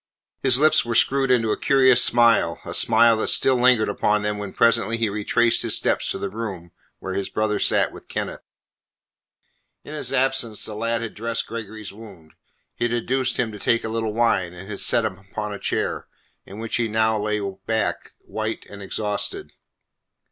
His lips were screwed into a curious smile a smile that still lingered upon them when presently he retraced his steps to the room where his brother sat with Kenneth. In his absence the lad had dressed Gregory's wound; he had induced him to take a little wine, and had set him upon a chair, in which he now lay back, white and exhausted.